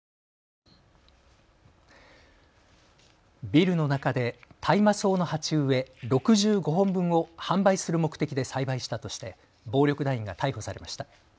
ビルの中で大麻草の鉢植え６５本分を販売する目的で栽培したとして暴力団員が逮捕されました。